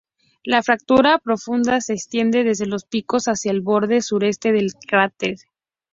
Una fractura profunda se extiende desde los picos hacia el borde suroeste del cráter.